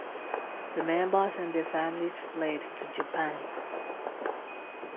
The members and their families fled to Japan.